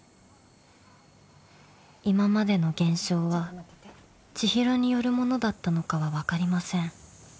［今までの現象は千尋によるものだったのかは分かりません］